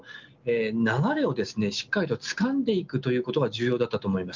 流れをしっかりとつかんでいくことが重要だったと思います。